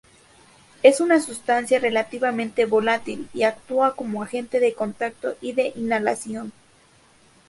Es una sustancia relativamente volátil y actúa como agente de contacto y de inhalación.